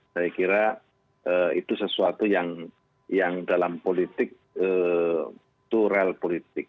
saya kira itu sesuatu yang dalam politik itu real politik